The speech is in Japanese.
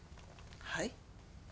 はい？